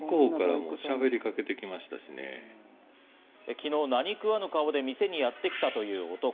昨日、何食わぬ顔で店にやってきたという男。